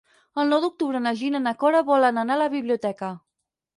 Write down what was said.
El nou d'octubre na Gina i na Cora volen anar a la biblioteca.